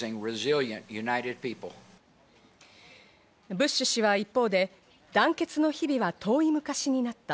ブッシュ氏は一方で、団結の日々は遠い昔になった。